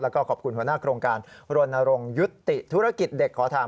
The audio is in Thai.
แล้วก็ขอบคุณหัวหน้าโครงการรณรงค์ยุติธุรกิจเด็กขอทาง